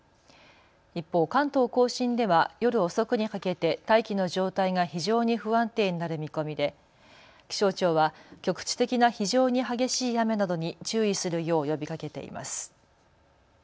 一方、関東甲信では夜遅くにかけて大気の状態が非常に不安定になる見込みで気象庁は局地的な非常に激しい雨などに注意するよう呼びかけています。